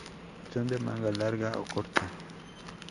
Son de manga larga o corta.